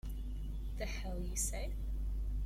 The hell you say!